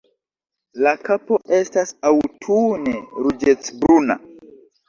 La kapo estas aŭtune ruĝecbruna.